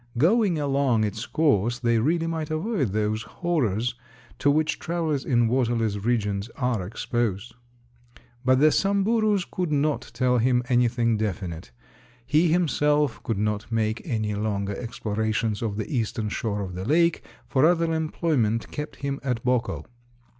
Going along its course, they really might avoid those horrors to which travelers in waterless regions are exposed. But the Samburus could not tell him anything definite; he himself could not make any longer explorations of the eastern shore of the lake, for other employment kept him at Boko.